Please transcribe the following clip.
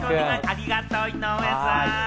ありがとう、井上さん。